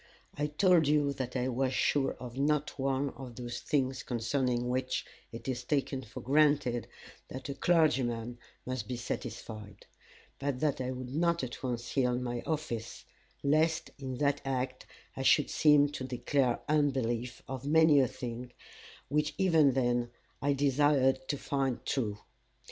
I told you that I was sure of not one of those things concerning which it is taken for granted that a clergyman must be satisfied; but that I would not at once yield my office, lest in that act I should seem to declare unbelief of many a thing which even then I desired to find true.